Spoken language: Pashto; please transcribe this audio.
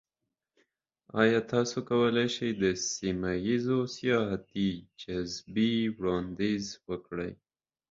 ایا تاسو کولی شئ د سیمه ایزو سیاحتي جاذبې وړاندیز وکړئ؟